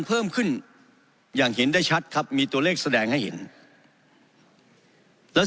เพิ่มขึ้นอย่างเห็นได้ชัดครับมีตัวเลขแสดงให้เห็นแล้ว